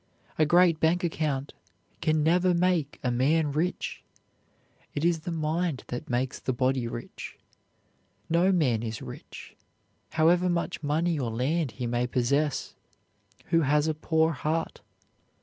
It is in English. A great bank account can never make a man rich. It is the mind that makes the body rich. No man is rich, however much money or land he may possess, who has a poor heart.